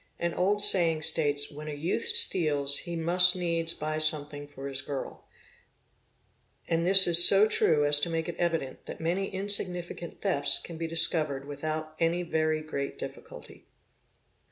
An old saying states, 'When a youth steals he must needs buy something for his girl'; and this is so true as to make it evident that many © insignificant thefts can be discovered without any very great difficulty.